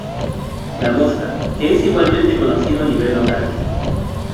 La Mosca, que es igualmente conocido a nivel local.